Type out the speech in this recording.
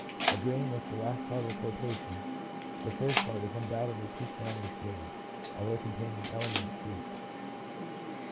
Agreeing with the last part of the quotation, the first part is undoubtedly too strongly stated, although containing an element of truth.